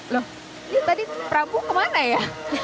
loh ini tadi prabu kemana ya